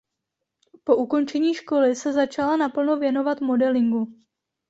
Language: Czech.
Po ukončení školy se začala naplno věnovat modelingu.